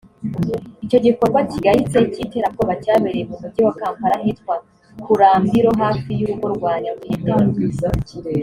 Icyo gikorwa kigayitse cy’iterabwoba cyabereye mu mujyi wa Kampala ahitwa Kulambiro hafi y’urugo rwa nyakwigendera